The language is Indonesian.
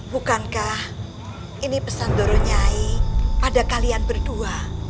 bukankah ini pesan doronyai pada kalian berdua